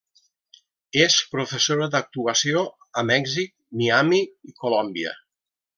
És professora d'actuació a Mèxic, Miami i Colòmbia.